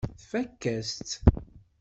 Tfakk-as-tt.